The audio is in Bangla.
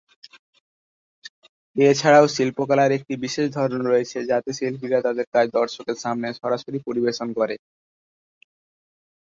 এছাড়াও শিল্পকলার একটি বিশেষ ধরন রয়েছে যাতে শিল্পীরা তাদের কাজ দর্শকের সামনে সরাসরি পরিবেশন করে।